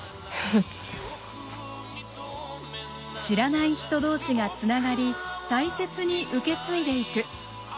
知らない人同士がつながり大切に受け継いでいく。